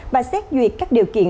và xét duyệt các điều kiện